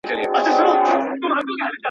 په ګاونډ کي پاچاهان او دربارونه.